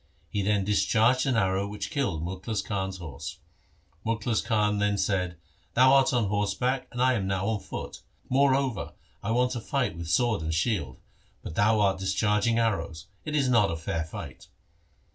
He then discharged an arrow which killed Mukhlis Khan's horse. Mukhlis Khan then said, ' Thou art on horseback and I am now on foot. Moreover, I want to fight with sword and shield, but thou art discharging arrows. It is not a fair fight.'